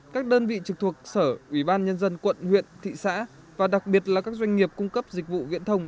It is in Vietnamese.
các đơn vị trực thuộc sở ủy ban nhân dân quận huyện thị xã và đặc biệt là các doanh nghiệp cung cấp dịch vụ viễn thông